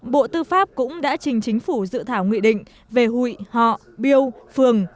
bộ tư pháp cũng đã trình chính phủ dự thảo nghị định về hụi họ biêu phường